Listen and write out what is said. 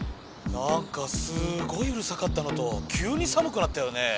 なんかすごいうるさかったのときゅうにさむくなったよね。